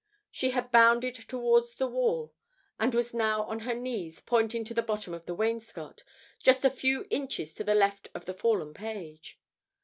She had bounded towards the wall and was now on her knees pointing to the bottom of the wainscot, just a few inches to the left of the fallen page.